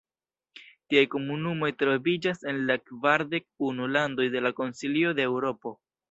Tiaj komunumoj troviĝas en la kvardek unu landoj de la Konsilio de Eŭropo.